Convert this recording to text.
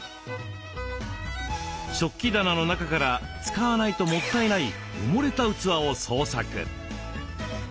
食器棚の中から使わないともったいない埋もれた器を捜索。